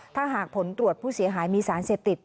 ถ้าหากผลตรวจผู้เสียหายมีสารเสพติด